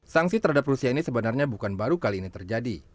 sanksi terhadap rusia ini sebenarnya bukan baru kali ini terjadi